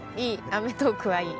『アメトーーク』はいい。